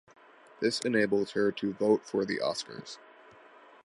This enables her to vote for the Oscars.